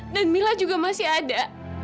dan mila juga masih ada